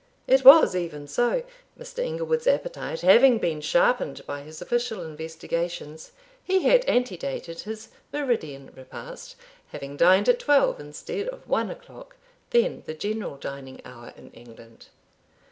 It was even so. Mr. Inglewood's appetite having been sharpened by his official investigations, he had antedated his meridian repast, having dined at twelve instead of one o'clock, then the general dining hour in England.